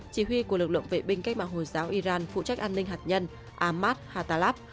chỉ huy của lực lượng vệ binh cách mạng hồi giáo iran phụ trách an ninh hạt nhân amad hatalav